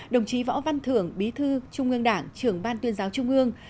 đồng chí võ văn thưởng bí thư trung ương đảng trưởng ban tuyên giáo trung ương